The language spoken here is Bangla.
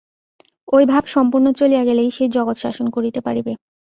ঐ ভাব সম্পূর্ণ চলিয়া গেলেই সে জগৎ শাসন করিতে পারিবে।